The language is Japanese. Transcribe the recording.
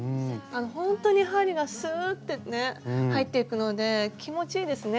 ほんとに針がすってね入っていくので気持ちいいですね。